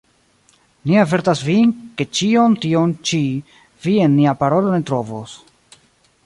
Ni avertas vin, ke ĉion tion ĉi vi en nia parolo ne trovos.